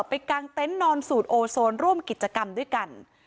กางเต็นต์นอนสูตรโอโซนร่วมกิจกรรมด้วยกัน